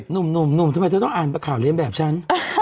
หนุ่มทำไมเธอต้องอ่านประข่าวเรียนแบบฉัน